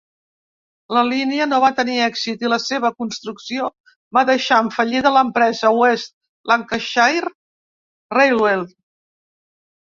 La línia no va tenir èxit i la seva construcció va deixar en fallida l"empresa West Lancashire Railway.